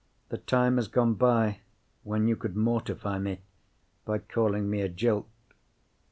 The time has gone by, when you could mortify me by calling me a jilt."